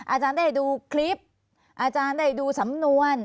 อาจารย์ได้ดูคลิปอาจารย์ได้ดูสำนวน